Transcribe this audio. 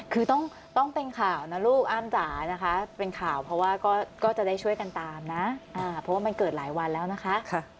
คือต้องเป็นข่าวนะลูกอ้ำจ๋านะคะเป็นข่าวเพราะว่าก็จะได้ช่วยกันตามนะเพราะว่ามันเกิดหลายวันแล้วนะคะ